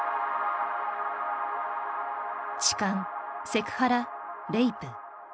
痴漢セクハラレイプ。